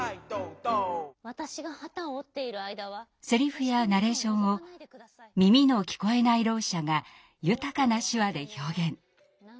セリフやナレーションを耳の聞こえないろう者が豊かな手話で表現。